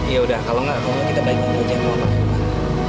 ya udah kalau enggak kalau kita balik lagi aja ke rumah pak